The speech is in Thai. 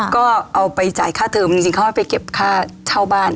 ก็เอาไปจ่ายค่าเทอมจริงเขาให้ไปเก็บค่าเช่าบ้าน